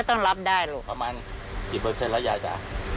ต้องรับได้ลูกประมาณกี่เปอร์เซ็นต์แล้วยายจ๊ะ